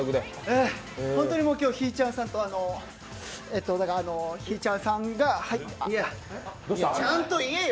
ええ、ホントに今日、ひぃちゃんさんと、ひぃちゃんさんがちゃんと言えよ。